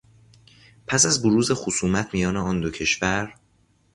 پس از بروز خصومت میان آن دو کشور